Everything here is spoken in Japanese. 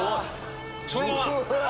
そのまま！